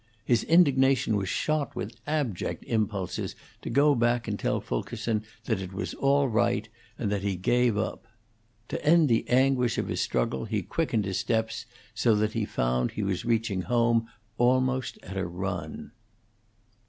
His indignation was shot with abject impulses to go back and tell Fulkerson that it was all right, and that he gave up. To end the anguish of his struggle he quickened his steps, so that he found he was reaching home almost at a run. VIII.